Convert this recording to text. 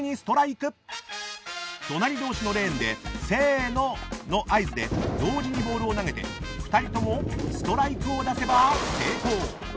［隣同士のレーンで「せーの！」の合図で同時にボールを投げて２人ともストライクを出せば成功］